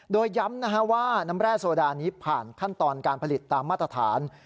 โดยย้ำว่าน้ำแร่โซดานี้ผ่านขั้นตอนการผลิตตามมาตรฐาน